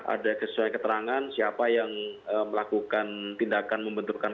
ada sesuai keterangan siapa yang melakukan tindakan membenturkan